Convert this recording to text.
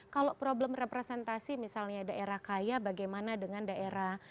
kalau problem representasi misalnya daerah kaya bagaimana dengan daerah